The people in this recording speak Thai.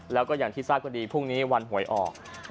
แล้วก็อย่างที่ทราบก็ดีพรุ่งนี้วันหวยออก